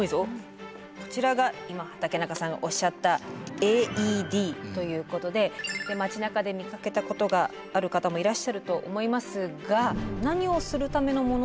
こちらが今畠中さんがおっしゃったＡＥＤということで街なかで見かけたことがある方もいらっしゃると思いますが何をするためのもの。